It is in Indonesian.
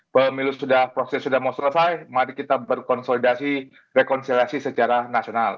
pemilu sudah proses sudah mau selesai mari kita berkonsolidasi rekonsiliasi secara nasional